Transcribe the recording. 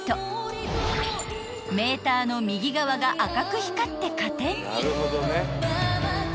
［メーターの右側が赤く光って加点に］